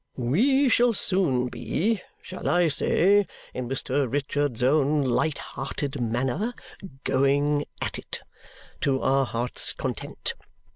We shall soon be shall I say, in Mr. Richard's own light hearted manner, 'going at it' to our heart's content.